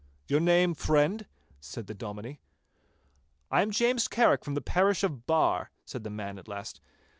'Your name, friend?' said the Dominie. 'I am James Carrick from the parish of Barr,' said the man at last.